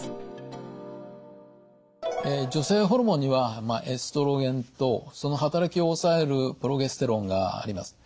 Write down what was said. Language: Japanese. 女性ホルモンにはエストロゲンとその働きを抑えるプロゲステロンがあります。